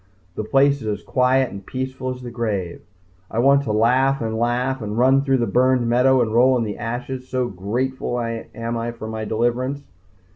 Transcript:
The place is as quiet and peaceful as the grave. I want to laugh and laugh and run through the burned meadow and roll in the ashes so grateful am I for my deliverance.